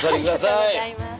ありがとうございます。